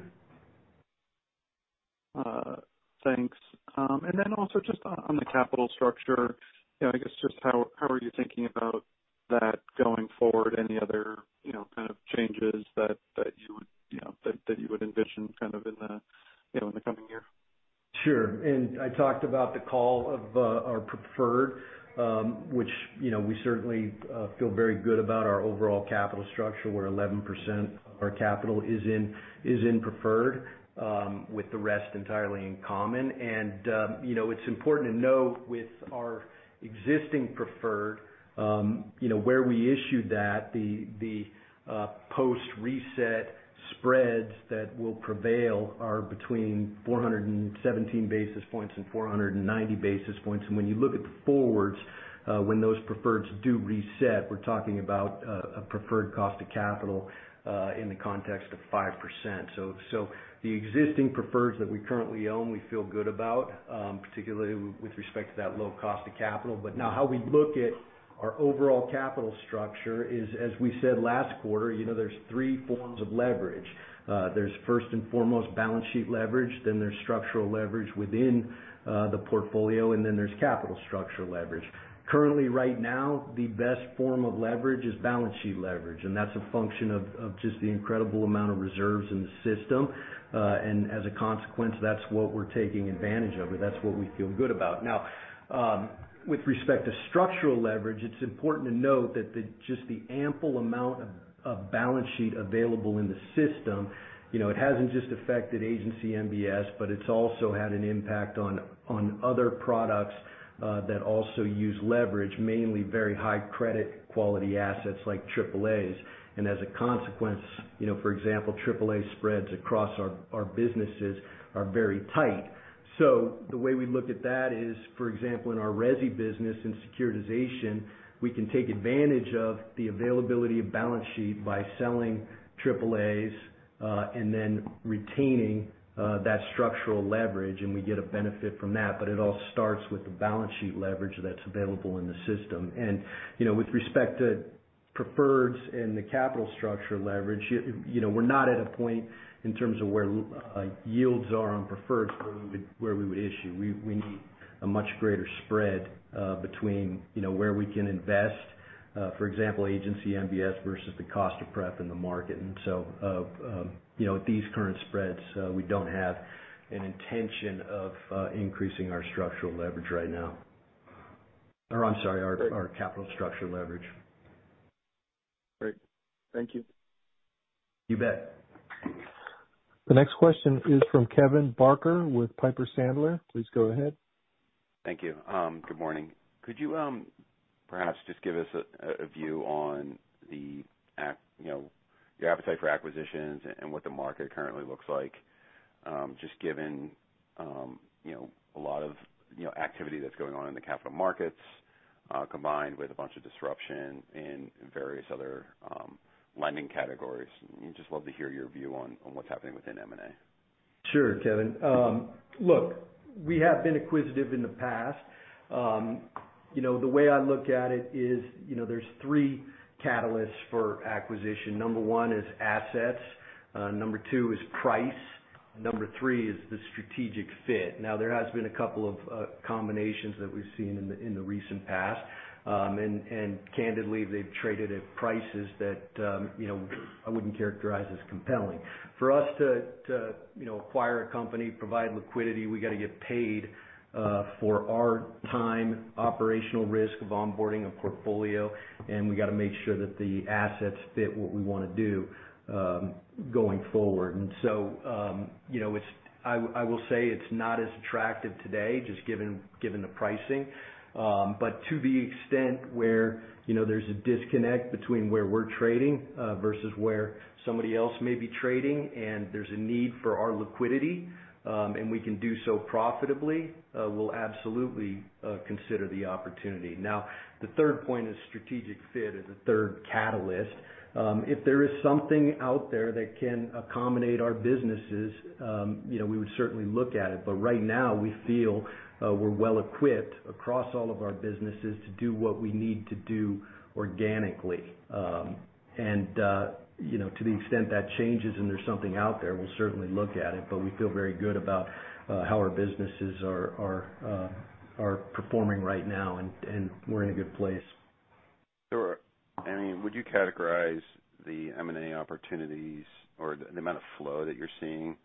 Thanks. And then also just on the capital structure, I guess just how are you thinking about that going forward? Any other kind of changes that you would envision kind of in the coming year? Sure. And I talked about the call of our preferred, which we certainly feel very good about our overall capital structure where 11% of our capital is in preferred with the rest entirely in common. And it's important to note with our existing preferred, where we issued that, the post-reset spreads that will prevail are between 417 basis points and 490 basis points. And when you look at the forwards, when those preferred do reset, we're talking about a preferred cost of capital in the context of 5%. So the existing preferred that we currently own, we feel good about, particularly with respect to that low cost of capital. But now how we look at our overall capital structure is, as we said last quarter, there's three forms of leverage. There's first and foremost balance sheet leverage, then there's structural leverage within the portfolio, and then there's capital structure leverage. Currently, right now, the best form of leverage is balance sheet leverage. And that's a function of just the incredible amount of reserves in the system. And as a consequence, that's what we're taking advantage of, or that's what we feel good about. Now, with respect to structural leverage, it's important to note that just the ample amount of balance sheet available in the system, it hasn't just affected Agency MBS, but it's also had an impact on other products that also use leverage, mainly very high credit quality assets like AAAs. And as a consequence, for example, AAA spreads across our businesses are very tight. So the way we look at that is, for example, in our RESI business and securitization, we can take advantage of the availability of balance sheet by selling AAAs and then retaining that structural leverage, and we get a benefit from that. But it all starts with the balance sheet leverage that's available in the system. And with respect to preferred and the capital structure leverage, we're not at a point in terms of where yields are on preferred where we would issue. We need a much greater spread between where we can invest, for example, Agency MBS versus the cost of prefs in the market. And so at these current spreads, we don't have an intention of increasing our structural leverage right now. Or I'm sorry, our capital structure leverage. Great. Thank you. You bet. The next question is from Kevin Barker with Piper Sandler. Please go ahead. Thank you. Good morning. Could you perhaps just give us a view on your appetite for acquisitions and what the market currently looks like, just given a lot of activity that's going on in the capital markets combined with a bunch of disruption in various other lending categories? We'd just love to hear your view on what's happening within M&A. Sure, Kevin. Look, we have been acquisitive in the past. The way I look at it is there's three catalysts for acquisition. Number one is assets. Number two is price. Number three is the strategic fit. Now, there has been a couple of combinations that we've seen in the recent past, and candidly, they've traded at prices that I wouldn't characterize as compelling. For us to acquire a company, provide liquidity, we got to get paid for our time, operational risk of onboarding a portfolio, and we got to make sure that the assets fit what we want to do going forward, and so I will say it's not as attractive today just given the pricing. But to the extent where there's a disconnect between where we're trading versus where somebody else may be trading and there's a need for our liquidity and we can do so profitably, we'll absolutely consider the opportunity. Now, the third point is strategic fit as a third catalyst. If there is something out there that can accommodate our businesses, we would certainly look at it. But right now, we feel we're well equipped across all of our businesses to do what we need to do organically. And to the extent that changes and there's something out there, we'll certainly look at it. But we feel very good about how our businesses are performing right now, and we're in a good place. Sure. I mean, would you categorize the M&A opportunities or the amount of flow that you're seeing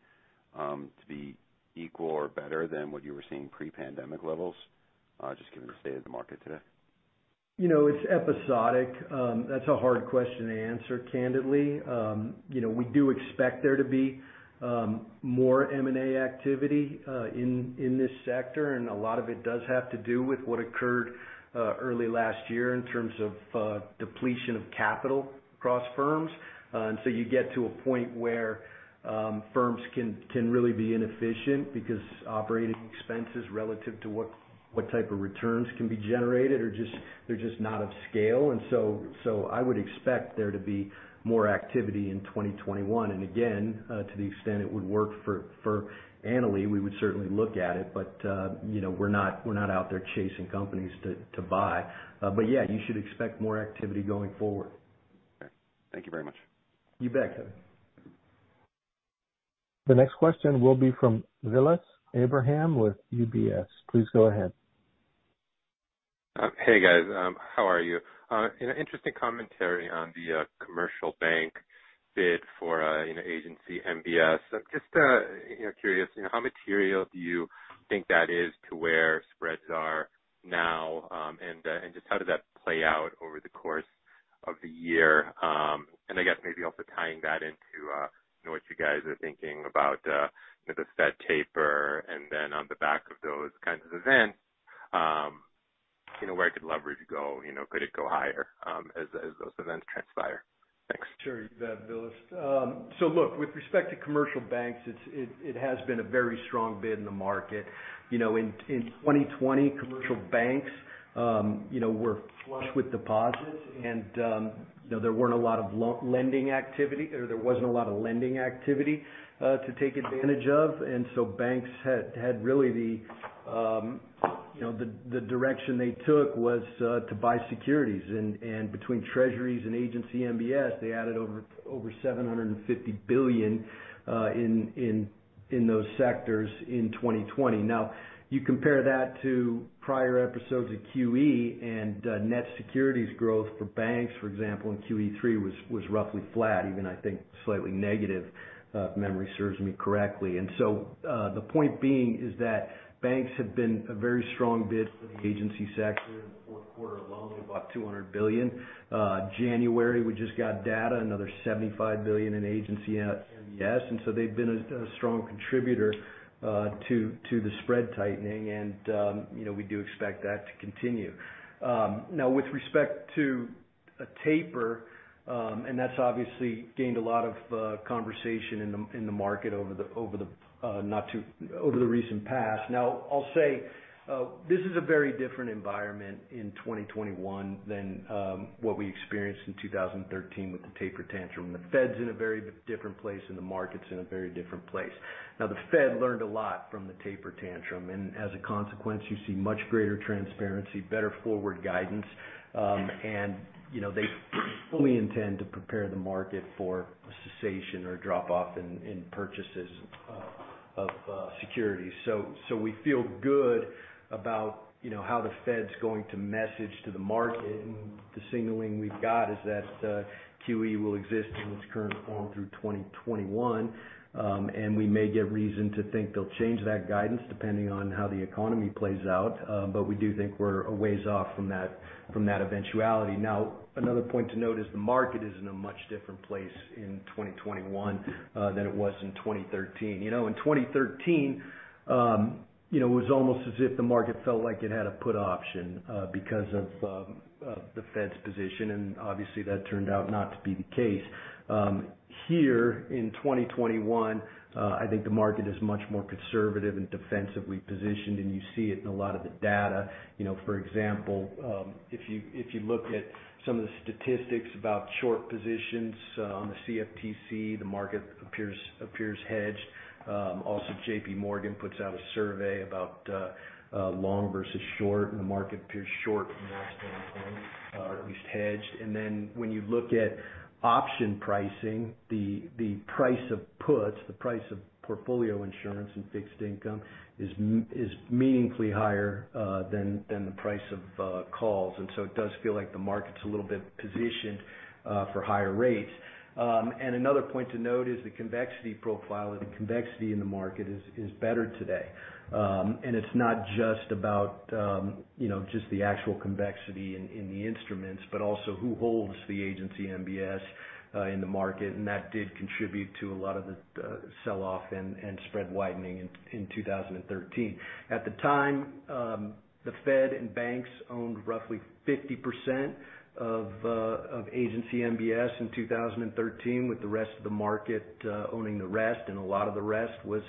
to be equal or better than what you were seeing pre-pandemic levels, just given the state of the market today? It's episodic. That's a hard question to answer, candidly. We do expect there to be more M&A activity in this sector, and a lot of it does have to do with what occurred early last year in terms of depletion of capital across firms, and so you get to a point where firms can really be inefficient because operating expenses relative to what type of returns can be generated are just not of scale, and so I would expect there to be more activity in 2021. And again, to the extent it would work for Annaly, we would certainly look at it, but we're not out there chasing companies to buy, but yeah, you should expect more activity going forward. Okay. Thank you very much. You bet, Kevin. The next question will be from Vilas Abraham with UBS. Please go ahead. Hey, guys. How are you? Interesting commentary on the commercial bank bid for Agency MBS. Just curious, how material do you think that is to where spreads are now? And just how does that play out over the course of the year? And I guess maybe also tying that into what you guys are thinking about the Fed taper and then on the back of those kinds of events, where could leverage go? Could it go higher as those events transpire? Thanks. Sure. You bet, Vilas. So look, with respect to commercial banks, it has been a very strong bid in the market. In 2020, commercial banks were flush with deposits, and there weren't a lot of lending activity, or there wasn't a lot of lending activity to take advantage of. Banks had really the direction they took was to buy securities. Between Treasuries and Agency MBS, they added over $750 billion in those sectors in 2020. You compare that to prior episodes of QE and net securities growth for banks. For example, in QE3 it was roughly flat, even, I think, slightly negative, if memory serves me correctly. The point being is that banks have been a very strong bid for the Agency sector in the fourth quarter alone, about $200 billion. In January, we just got data, another $75 billion in Agency MBS. And so they've been a strong contributor to the spread tightening, and we do expect that to continue. Now, with respect to a taper, and that's obviously gained a lot of conversation in the market over the not too distant past. Now, I'll say this is a very different environment in 2021 than what we experienced in 2013 with the taper tantrum. The Fed's in a very different place, and the market's in a very different place. Now, the Fed learned a lot from the taper tantrum. And as a consequence, you see much greater transparency, better forward guidance, and they fully intend to prepare the market for a cessation or a drop-off in purchases of securities. So we feel good about how the Fed's going to message to the market. And the signaling we've got is that QE will exist in its current form through 2021. And we may get reason to think they'll change that guidance depending on how the economy plays out, but we do think we're a ways off from that eventuality. Now, another point to note is the market is in a much different place in 2021 than it was in 2013. In 2013, it was almost as if the market felt like it had a put option because of the Fed's position. And obviously, that turned out not to be the case. Here, in 2021, I think the market is much more conservative and defensively positioned, and you see it in a lot of the data. For example, if you look at some of the statistics about short positions on the CFTC, the market appears hedged. Also, JPMorgan puts out a survey about long versus short, and the market appears short from that standpoint, or at least hedged. And then when you look at option pricing, the price of puts, the price of portfolio insurance and fixed income is meaningfully higher than the price of calls. And so it does feel like the market's a little bit positioned for higher rates. And another point to note is the convexity profile of the convexity in the market is better today. And it's not just about the actual convexity in the instruments, but also who holds the Agency MBS in the market. And that did contribute to a lot of the sell-off and spread widening in 2013. At the time, the Fed and banks owned roughly 50% of Agency MBS in 2013, with the rest of the market owning the rest, and a lot of the rest was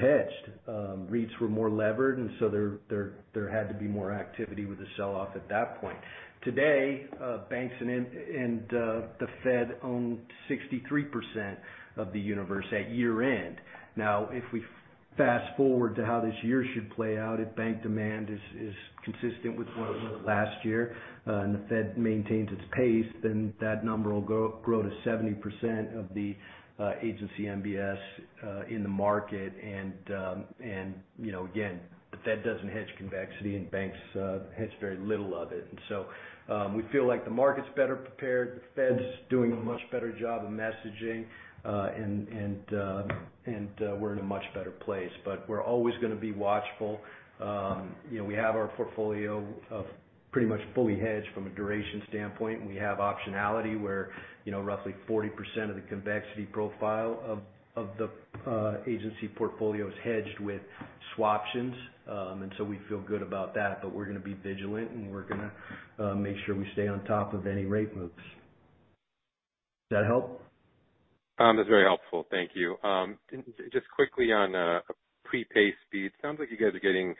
hedged. REITs were more levered, and so there had to be more activity with the sell-off at that point. Today, banks and the Fed own 63% of the universe at year-end. Now, if we fast forward to how this year should play out, if bank demand is consistent with what it was last year and the Fed maintains its pace, then that number will grow to 70% of the Agency MBS in the market, and again, the Fed doesn't hedge convexity, and banks hedge very little of it, and so we feel like the market's better prepared. The Fed's doing a much better job of messaging, and we're in a much better place, but we're always going to be watchful. We have our portfolio pretty much fully hedged from a duration standpoint. We have optionality where roughly 40% of the convexity profile of the agency portfolio is hedged with swaptions. And so we feel good about that, but we're going to be vigilant, and we're going to make sure we stay on top of any rate moves. Does that help? That's very helpful. Thank you. Just quickly on a prepay speed, it sounds like you guys are getting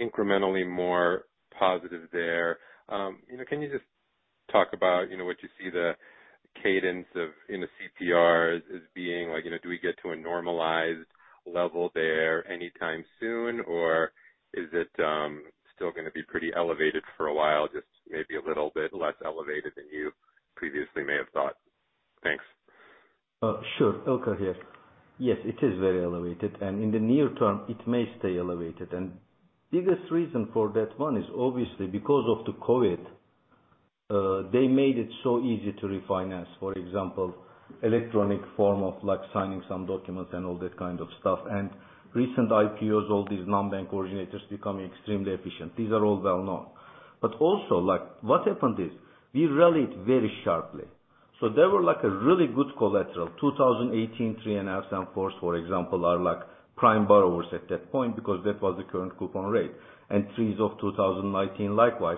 incrementally more positive there. Can you just talk about what you see the cadence of CPRs as being like, do we get to a normalized level there anytime soon, or is it still going to be pretty elevated for a while, just maybe a little bit less elevated than you previously may have thought? Thanks. Sure. Ilker here. Yes, it is very elevated. And in the near term, it may stay elevated. And the biggest reason for that one is obviously because of the COVID. They made it so easy to refinance, for example, electronic form of signing some documents and all that kind of stuff. And recent IPOs, all these non-bank originators becoming extremely efficient. These are all well-known. But also, what happened is we rallied very sharply. So there were a really good collateral. 2018, 3.5, and 4, for example, are prime borrowers at that point because that was the current coupon rate. And 3s of 2019 likewise,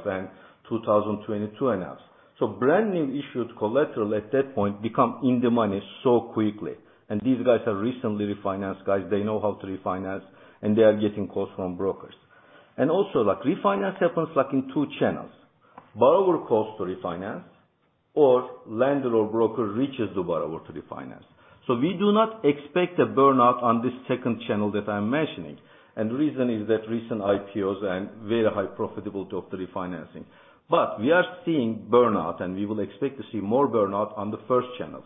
and 2.5s of 2020 too. So brand new issued collateral at that point become in the money so quickly. And these guys are recently refinanced, guys. They know how to refinance, and they are getting calls from brokers. Also, refinance happens in two channels. Borrower calls to refinance, or lender or broker reaches the borrower to refinance. So we do not expect a burnout on this second channel that I'm mentioning. And the reason is that recent IPOs and very high profitability of the refinancing. But we are seeing burnout, and we will expect to see more burnout on the first channel,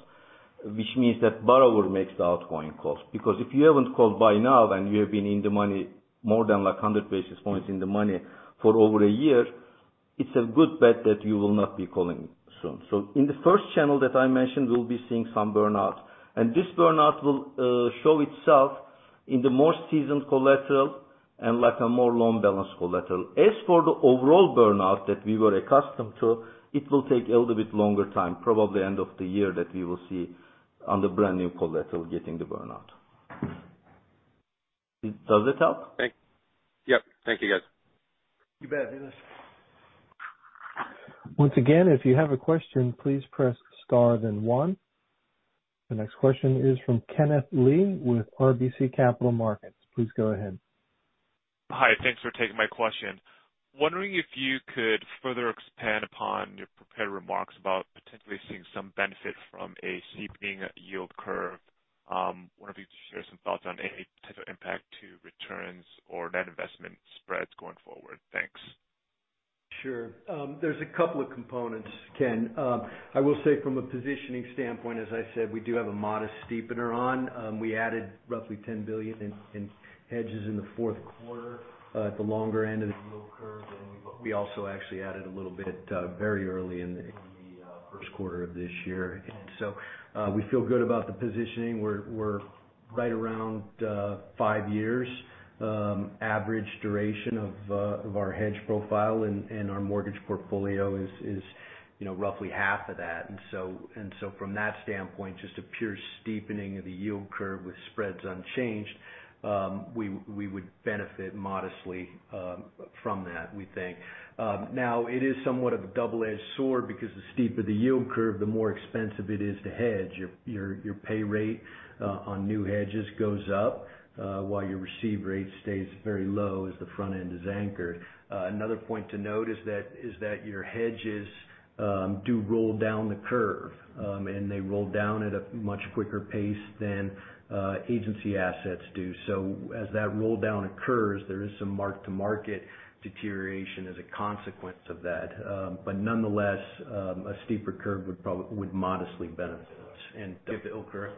which means that borrower makes the outgoing calls. Because if you haven't called by now and you have been in the money more than 100 basis points in the money for over a year, it's a good bet that you will not be calling soon. So in the first channel that I mentioned, we'll be seeing some burnout. And this burnout will show itself in the more seasoned collateral and a more loan balance collateral. As for the overall burnout that we were accustomed to, it will take a little bit longer time, probably end of the year that we will see on the brand new collateral getting the burnout. Does it help? Yep. Thank you, guys. You bet, Vilas. Once again, if you have a question, please press star, then one. The next question is from Kenneth Lee with RBC Capital Markets. Please go ahead. Hi. Thanks for taking my question. Wondering if you could further expand upon your prepared remarks about potentially seeing some benefit from a steepening yield curve. Wonder if you could share some thoughts on any potential impact to returns or net investment spreads going forward. Thanks. Sure. There's a couple of components, Ken. I will say from a positioning standpoint, as I said, we do have a modest steepener on. We added roughly $10 billion in hedges in the fourth quarter at the longer end of the yield curve. And we also actually added a little bit very early in the first quarter of this year. And so we feel good about the positioning. We're right around five years. Average duration of our hedge profile and our mortgage portfolio is roughly half of that. And so from that standpoint, just a pure steepening of the yield curve with spreads unchanged, we would benefit modestly from that, we think. Now, it is somewhat of a double-edged sword because the steeper the yield curve, the more expensive it is to hedge. Your pay rate on new hedges goes up while your receive rate stays very low as the front end is anchored. Another point to note is that your hedges do roll down the curve, and they roll down at a much quicker pace than agency assets do. So as that roll down occurs, there is some mark-to-market deterioration as a consequence of that. But nonetheless, a steeper curve would modestly benefit us. Give to Ilker.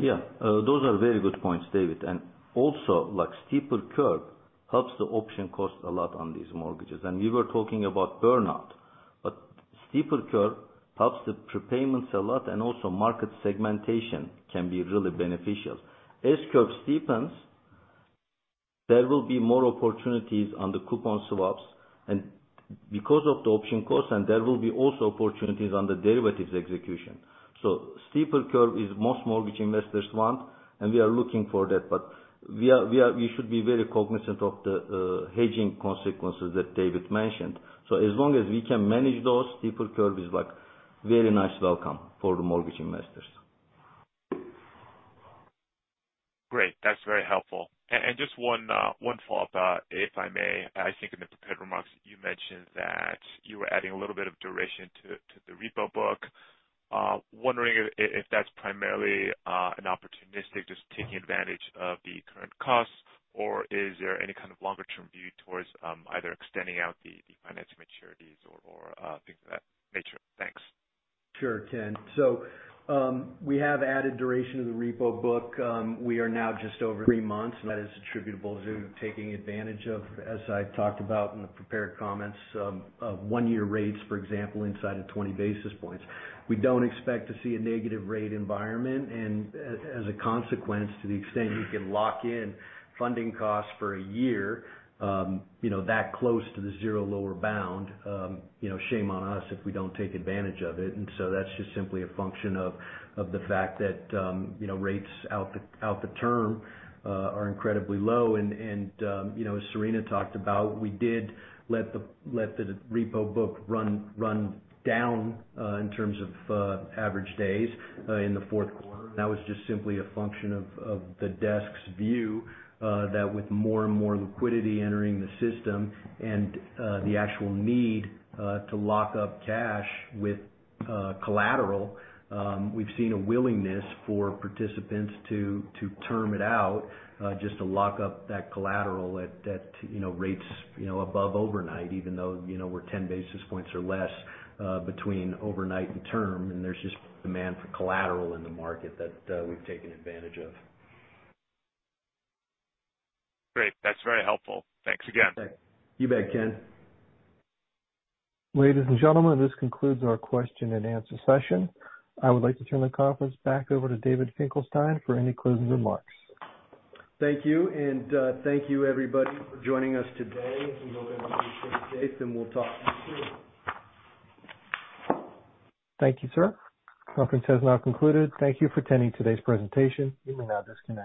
Yeah. Those are very good points, David. And also, steeper curve helps the option cost a lot on these mortgages. And we were talking about burnout, but steeper curve helps the prepayments a lot, and also market segmentation can be really beneficial. As curve steepens, there will be more opportunities on the coupon swaps because of the option cost, and there will be also opportunities on the derivatives execution. So steeper curve is most mortgage investors want, and we are looking for that. But we should be very cognizant of the hedging consequences that David mentioned. So as long as we can manage those, steeper curve is very nice welcome for the mortgage investors. Great. That's very helpful. And just one follow-up, if I may. I think in the prepared remarks, you mentioned that you were adding a little bit of duration to the repo book. Wondering if that's primarily an opportunistic just taking advantage of the current costs, or is there any kind of longer-term view towards either extending out the financing maturities or things of that nature? Thanks. Sure, Ken. So we have added duration to the repo book. We are now just over three months. That is attributable to taking advantage of, as I talked about in the prepared comments, one-year rates, for example, inside of 20 basis points. We don't expect to see a negative rate environment. And as a consequence, to the extent you can lock in funding costs for a year that close to the zero lower bound, shame on us if we don't take advantage of it. And so that's just simply a function of the fact that rates out the term are incredibly low. And as Serena talked about, we did let the repo book run down in terms of average days in the fourth quarter. That was just simply a function of the desk's view that with more and more liquidity entering the system and the actual need to lock up cash with collateral, we've seen a willingness for participants to term it out just to lock up that collateral at rates above overnight, even though we're 10 basis points or less between overnight and term. There's just demand for collateral in the market that we've taken advantage of. Great. That's very helpful. Thanks again. You bet, Ken. Ladies and gentlemen, this concludes our question and answer session. I would like to turn the conference back over to David Finkelstein for any closing remarks. Thank you. And thank you, everybody, for joining us today. We hope everything stays safe, and we'll talk to you soon. Thank you, sir. Conference has now concluded. Thank you for attending today's presentation. You may now disconnect.